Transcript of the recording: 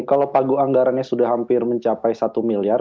kalau pagu anggarannya sudah hampir mencapai satu miliar